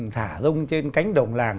thả rông trên cánh đồng làng